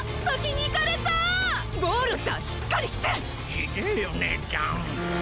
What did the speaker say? ひでえよねえちゃん。